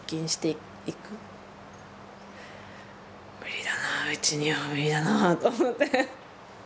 無理だなあうちには無理だなあと思って。